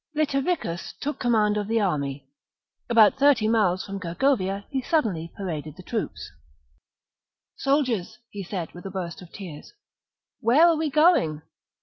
Litaviccus took command of the army, who marches About thirty miles from Gergovia he suddenly Aeduan paraded the troops. " Soldiers," he said, with a forCergovia, burst of tears, "where are we going.'